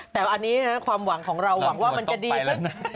แต่อันนี้ความหวังของเราว่าจะดีขึ้น